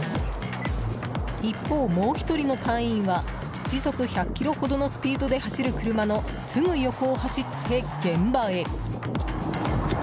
一方、もう１人の隊員は時速１００キロほどのスピードで走る車のすぐ横を走って現場へ。